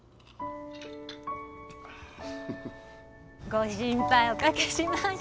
ご心配お掛けしました。